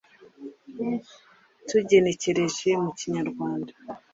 tugenekereje mu kinyarwanda